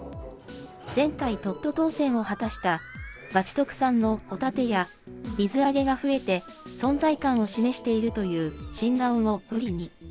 前回トップ当選を果たした町特産のホタテや、水揚げが増えて存在感を示しているという新顔のブリに。